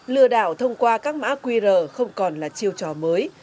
lừa đảo thông qua các mã qr không còn là chiêu trò mới